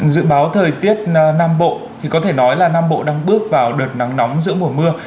dự báo thời tiết nam bộ thì có thể nói là nam bộ đang bước vào đợt nắng nóng giữa mùa mưa